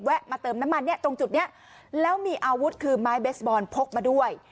มาเติมน้ำมันเนี่ยตรงจุดนี้แล้วมีอาวุธคือไม้เบสบอลพกมาด้วย